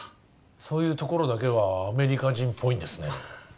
そういうところだけはアメリカ人っぽいんですね